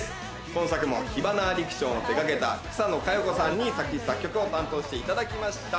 今作も『火花アディクション』を手がけた草野華余子さんに作詞作曲を担当していただきました。